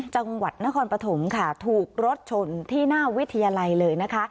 จังหวัดนครปฐมค่ะถูกรถชนที่หน้าวิทยาลัยเลยนะคะ